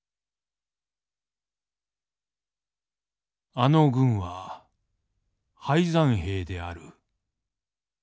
「あの軍は敗残兵である。